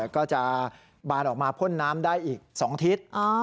ก็จะบานออกมาพ่นน้ำได้อีก๒ทิศ